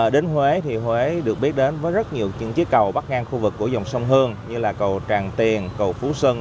đến huế thì huế được biết đến với rất nhiều những chiếc cầu bắc ngang khu vực của dòng sông hương như là cầu tràng tiền cầu phú xuân